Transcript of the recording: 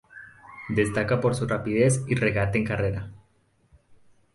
Destaca por su rapidez y regate en carrera.